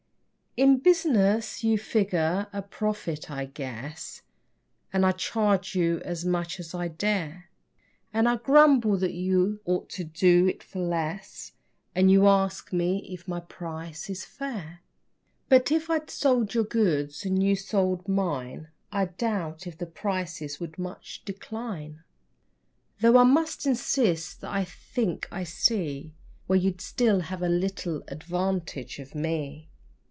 In business you figure a profit, I guess, And I charge you as much as I dare, And I grumble that you ought to do it for less, And you ask if my price is fair. But if I sold your goods and you sold mine, I doubt if the prices would much decline. (Though I must insist that I think I see Where you'd still have a little advantage of me!)